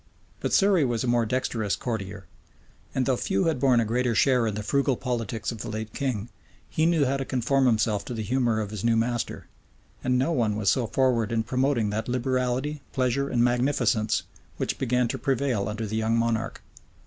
But Surrey was a more dexterous courtier; and though few had borne a greater share in the frugal politics of the late king, he knew how to conform himself to the humor of his new master; and no one was so forward in promoting that liberality, pleasure, and magnificence, which began to prevail under the young monarch.